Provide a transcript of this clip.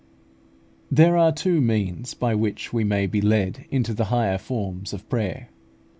There are two means by which we may be led into the higher forms of prayer.